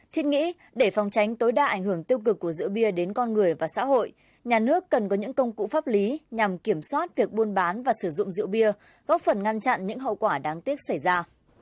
thiết nghĩ để phòng tránh tối đa ảnh hưởng tiêu cực của rượu bia đến con người và xã hội nhà nước cần có những công cụ pháp lý nhằm kiểm soát việc buôn bán và sử dụng rượu bia góp phần ngăn chặn những hậu quả đáng tiếc xảy ra